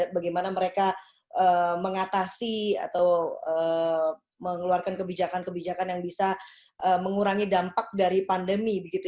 bagaimana mereka mengatasi atau mengeluarkan kebijakan kebijakan yang bisa mengurangi dampak dari pandemi